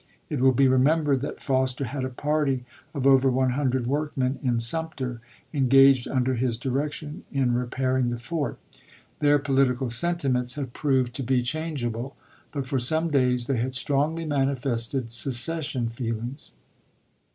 It will be remembered that Foster had a party of over one hundred workmen in Sumter, engaged under his direction in repairing the fort. Their political sentiments had proved FORT SUMTER 53 to be changeable, but for some days they had chap. iv. strongly manifested secession feelings.